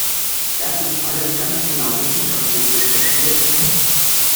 Das ist alles ganz genau wissenschaftlich recherchiert!